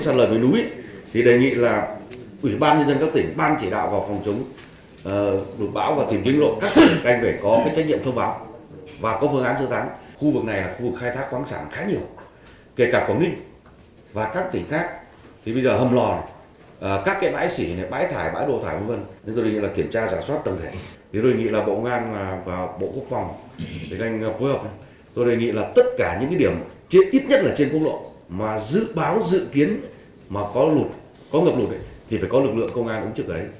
tôi đề nghị là tất cả những điểm ít nhất là trên quốc lộ mà dự báo dự kiến có ngập lụt thì phải có lực lượng công an ứng trực đấy để phân luồng giao thông